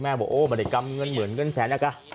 แม่บอกว่าบริกรรมเหมือนเงินแสน